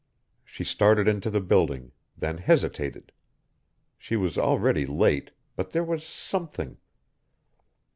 She started into the building, then hesitated. She was already late, but there was something....